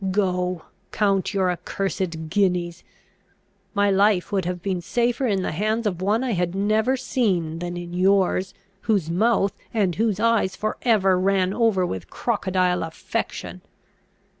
Go, count your accursed guineas! My life would have been safer in the hands of one I had never seen than in yours, whose mouth and whose eyes for ever ran over with crocodile affection!"